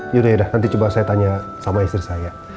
yaudah yaudah nanti coba saya tanya sama istri saya